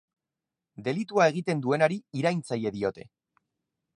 Delitua egiten duenari iraintzaile diote.